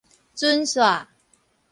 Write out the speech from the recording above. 準煞